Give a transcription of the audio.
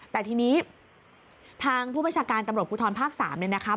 แต่ทีนี้ทางผู้บัญชาการตำรวจภูทรภาค๓เนี่ยนะคะ